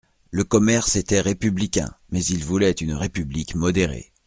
Le commerce était républicain ; mais il voulait une République modérée.